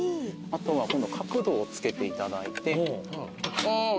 あとは今度角度をつけていただいて。